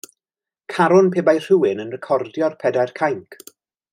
Carwn pe bai rhywun yn recordio'r Pedair Cainc.